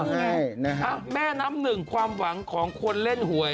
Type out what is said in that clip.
ใช่นะฮะแม่น้ำหนึ่งความหวังของคนเล่นหวย